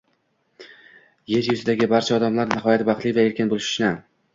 Yer yuzidagi barcha odamlar nihoyat baxtli va erkin boʻlishini